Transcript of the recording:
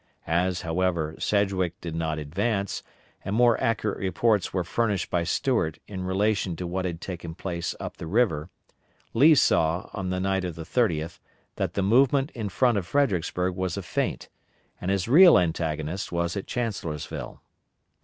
As, however, Sedgwick did not advance, and more accurate reports were furnished by Stuart in relation to what had taken place up the river, Lee saw, on the night of the 30th, that the movement in front of Fredericksburg was a feint, and his real antagonist was at Chancellorsville.